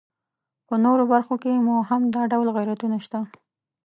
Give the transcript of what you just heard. په نورو برخو کې مو هم دا ډول غیرتونه شته.